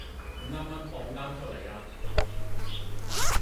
你啱啱放監出嚟呀？